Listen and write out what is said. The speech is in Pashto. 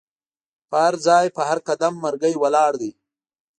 په هرځای په هر قدم مرګی ولاړ دی